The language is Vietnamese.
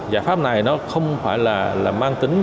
giải pháp này không phải là mang tính